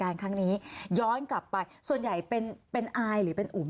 ย้อนกลับไปส่วนใหญ่เป็นอายหรืออุ๋ม